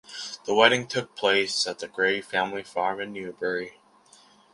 The wedding took place at the Gray family farm in Newbury.